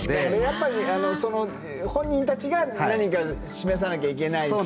やっぱりその本人たちが何か示さなきゃいけないし。